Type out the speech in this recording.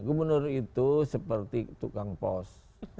gubernur itu seperti tukang pos